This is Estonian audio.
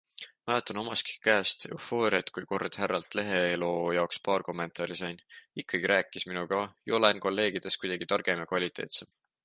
Mäletan omastki käest eufooriat, kui kord härralt leheloo jaoks paar kommentaari sain - ikkagi rääkis minuga, ju olen kolleegidest kuidagi targem ja kvaliteetsem!